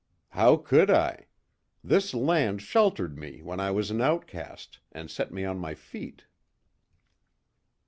"How could I? This land sheltered me when I was an outcast, and set me on my feet."